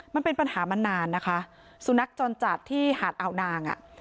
มันเป็นปัญหามานานนะคะสุนัขจรจัดที่หาดอ่าวนางอ่ะ